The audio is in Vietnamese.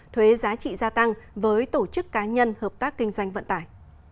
thuế giá trị gia tăng với tổ chức cá nhân hợp tác kinh doanh vận tải